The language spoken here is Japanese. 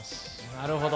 なるほど。